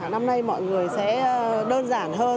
năm nay mọi người sẽ đơn giản hơn